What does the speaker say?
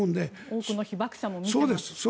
多くの被爆者も見てますから。